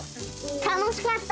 楽しかった！